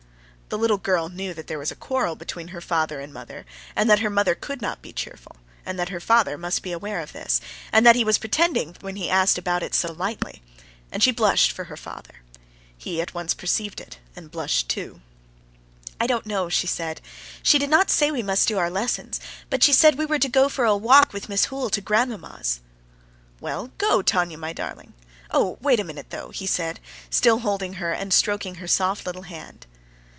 The little girl knew that there was a quarrel between her father and mother, and that her mother could not be cheerful, and that her father must be aware of this, and that he was pretending when he asked about it so lightly. And she blushed for her father. He at once perceived it, and blushed too. "I don't know," she said. "She did not say we must do our lessons, but she said we were to go for a walk with Miss Hoole to grandmamma's." "Well, go, Tanya, my darling. Oh, wait a minute, though," he said, still holding her and stroking her soft little hand.